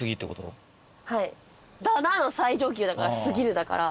はい「だな」の最上級だから「過ぎる」だから。